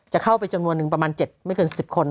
จะเข้าไปจำนวนหนึ่งประมาณ๗ไม่เกิน๑๐คน